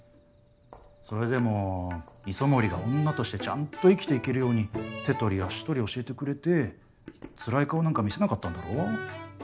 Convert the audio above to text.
それでも磯森が女としてちゃんと生きていけるように手取り足取り教えてくれてつらい顔なんか見せなかったんだろ？